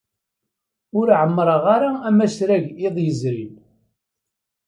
Ur ɛemmṛeɣ ara amasrag iḍ yezrin.